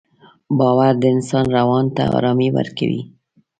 باور د انسان روان ته ارامي ورکوي.